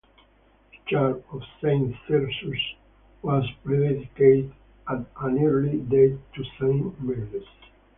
The church of Saint Thyrsus was rededicated at an early date to Saint Marius.